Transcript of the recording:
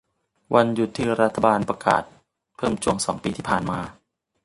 วันหยุดที่รัฐบาลประกาศเพิ่มช่วงสองปีที่ผ่านมา